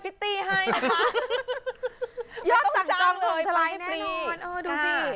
ไม่ต้องจังเลยไปให้ฟรี